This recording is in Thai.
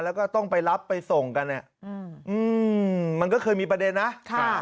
แล้วก็ต้องไปรับไปส่งกันเนี่ยอืมอืมมันก็เคยมีประเด็นนะค่ะ